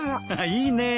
いいねえ。